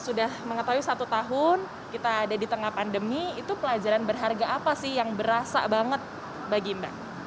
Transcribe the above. sudah mengetahui satu tahun kita ada di tengah pandemi itu pelajaran berharga apa sih yang berasa banget bagi mbak